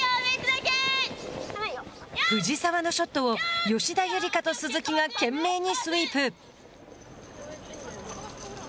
藤澤のショットを吉田夕梨花と鈴木が懸命にスイープ。